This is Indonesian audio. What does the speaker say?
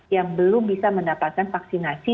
yang belum bisa mendapatkan vaksinasi